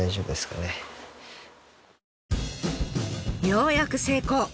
ようやく成功。